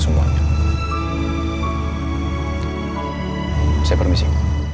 ya udah puji